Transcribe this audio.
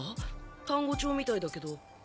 単語帳みたいだけど。